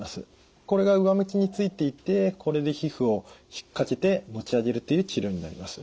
これが上向きについていてこれで皮膚を引っ掛けて持ち上げるという治療になります。